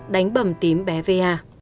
đánh bầm tím bé va